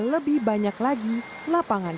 lebih banyak lagi lapangan